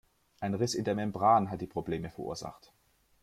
Ein Riss in der Membran hat die Probleme verursacht.